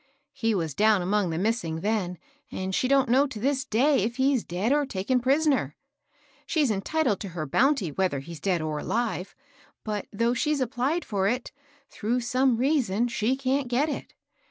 He was down among the missing then, and she don't know to this day if he's dead or THE SAIIi LOFT. 201 taken prisoner. She's entitled to her bounty whether he's dead or ahVe ; but, though she's ap plied for It, through some reason she can't get it.